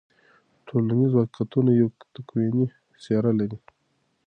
ټولنیز واقعیتونه یو تکویني سیر لري.